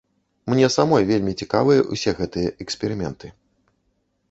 Мне самой вельмі цікавыя ўсе гэтыя эксперыменты.